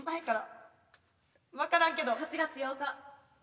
８月８日。